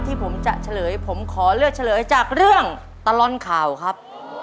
ที่ผมจะเฉลยผมขอเลือกเฉลยจากเรื่องตลอดข่าวครับ